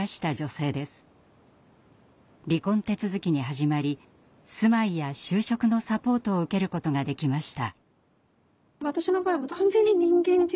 離婚手続きに始まり住まいや就職のサポートを受けることができました。